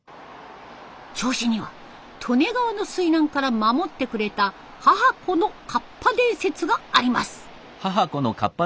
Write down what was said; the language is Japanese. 銚子には利根川の水難から守ってくれた母子のカッパ伝説があります。